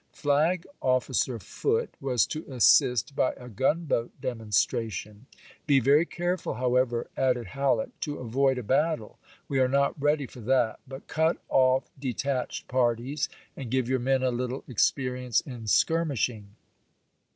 Flag officer Foote was to assist by a gunboat demonstration. " Be very careful, however," added Halleck, "to avoid a Halleck to battle: we are not ready for that; but cut off Grant, '•'^ "'^"V'r"*^^' detached parties, and give your men a little ex pp°53j";^ perience in skirmishing."